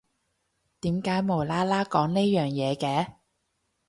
點解無啦啦講呢樣嘢嘅？